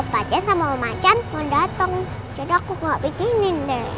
pacan sama om macan mau dateng jadi aku gak bikinin deh